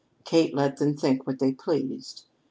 Kate let them think what they pleased.